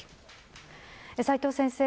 斎藤先生